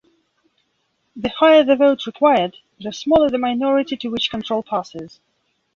The higher the vote required, the smaller the minority to which control passes.